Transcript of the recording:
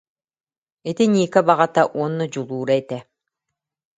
Ити Ника баҕата уонна дьулуура этэ